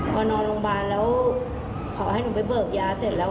พอนอนโรงพยาบาลแล้วขอให้หนูไปเบิกยาเสร็จแล้ว